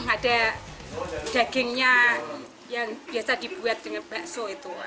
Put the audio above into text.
ada dagingnya yang biasa dibuat dengan bakso itu